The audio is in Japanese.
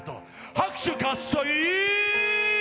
拍手喝采！